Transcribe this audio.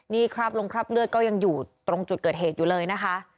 นี่คราบลงคราบเลือดก็ยังอยู่ตรงจุดเกิดเหตุอยู่เลยนะคะ